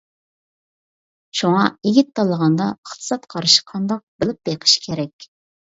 شۇڭا يىگىت تاللىغاندا ئىقتىساد قارىشى قانداق، بىلىپ بېقىش كېرەك.